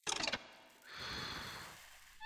庐山瓦韦为水龙骨科瓦韦属下的一个种。